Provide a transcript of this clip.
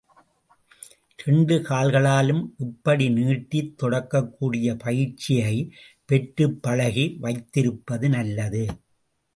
இரண்டு கால்களாலும் இப்படி நீட்டித் தொடக்கூடிய பயிற்சியைப் பெற்று பழகி வைத்திருப்பது நல்லது.